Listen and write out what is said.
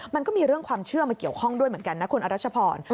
มันก็มีเรื่องความเชื่อมาเกี่ยวข้องด้วยเหมือนกันนะคุณอรัชพร